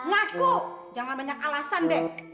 ngaku jangan banyak alasan deh